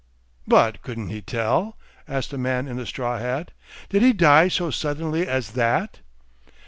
"But couldn't he tell?" asked the man in the straw hat. "Did he die so suddenly as that?"